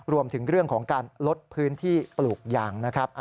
รวมถึงเรื่องของการลดพื้นที่ปลูกยางนะครับ